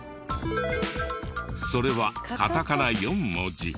それはカタカナ４文字。